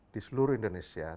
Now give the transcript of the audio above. di seluruh indonesia